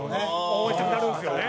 応援したくなるんですよね。